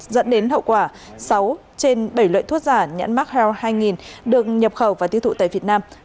dẫn đến hậu quả sáu trên bảy loại thuốc giả nhãn mark health hai được nhập khẩu và tiêu thụ tại việt nam